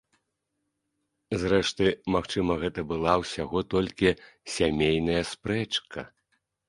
Зрэшты, магчыма, гэта была ўсяго толькі сямейная спрэчка.